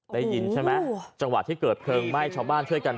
ได้ยินใช่ไหมเนาะที่เกิดแม่นเผลิงเบื่อชาวบ้านเท่ายัมธ์